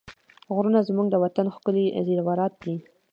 غرونه زموږ د وطن ښکلي زېورات دي.